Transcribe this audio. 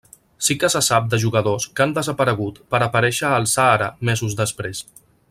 Sí que se sap de jugadors que han desaparegut per aparèixer al Sàhara mesos després.